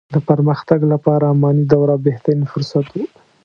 د پرمختګ لپاره اماني دوره بهترين فرصت وو.